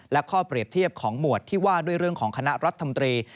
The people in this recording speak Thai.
และข้อเปรียบเทียบของหมวดที่ว่าด้วยเรื่องของคณะรัฐมนตรี